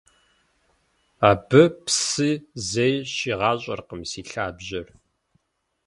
Абы псы зэи щигъащӀэркъым си лъабжьэр.